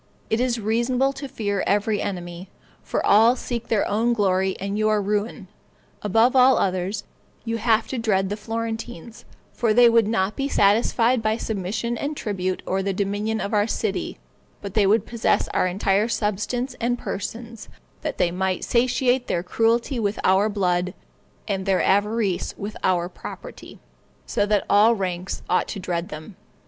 It is reasonable to fear every enemy, for all seek their own glory and your ruin; above all others, you have to dread the Florentines, for they would not be satisfied by submission and tribute, or the dominion of our city, but they would possess our entire substance and persons, that they might satiate their cruelty with our blood, and their avarice with our property, so that all ranks ought to dread them.